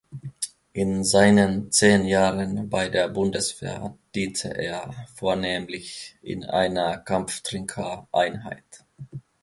In seinen zehn Jahren bei der Bundeswehr diente er vornehmlich in einer Kampftrinker-Einheit.